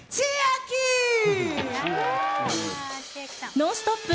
「ノンストップ！」